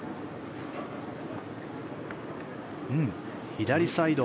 左サイド。